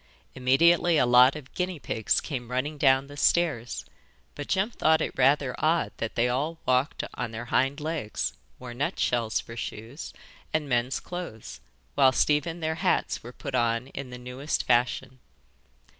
Immediately a lot of guinea pigs came running down the stairs, but Jem thought it rather odd that they all walked on their hind legs, wore nutshells for shoes, and men's clothes, whilst even their hats were put on in the newest fashion.